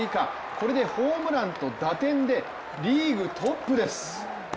これでホームランと打点でリーグトップです。